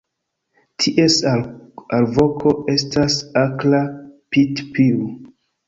Ties alvoko estas akra "pit-piu".